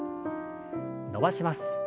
伸ばします。